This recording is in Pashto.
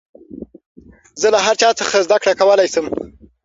زه له هر چا څخه زدکړه کولاى سم.